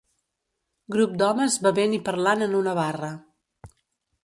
Grup d'homes bevent i parlant en una barra.